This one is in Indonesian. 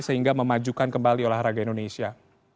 untuk bisa memajukan kembali olahraga indonesia